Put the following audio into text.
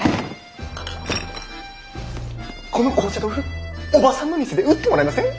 この紅茶豆腐おばさんの店で売ってもらえません？